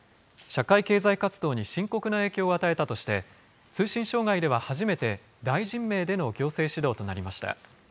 社会経済活動に深刻な影響を与えたとして、通信障害では初めて、大臣名での行政指導となりました。